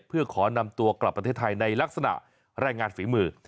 เพื่อขอนำตัวกลับประเทศไทยในลักษณะแรงงานฝีมือ